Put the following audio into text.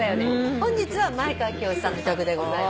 本日は前川清さんの曲でございます。